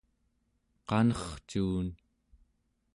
qanercuun